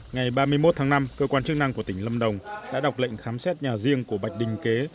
ngày ba mươi một tháng năm cơ quan chức năng của tỉnh lâm đồng đã đọc lệnh khám xét nhà riêng của bạch đình kế